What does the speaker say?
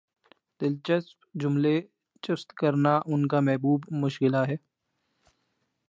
دلچسپ جملے چست کرنا ان کامحبوب مشغلہ ہے